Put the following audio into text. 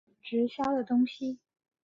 直销的东西